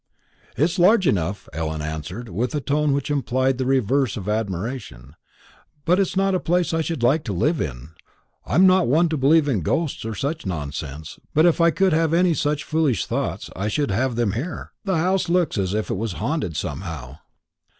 "It's large enough," Ellen answered, with a tone which implied the reverse of admiration; "but it's not a place I should like to live in. I'm not one to believe in ghosts or such nonsense, but if I could have any such foolish thoughts, I should have them here. The house looks as if it was haunted, somehow."